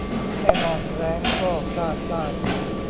แน่นอน แร้งก็พลาดได้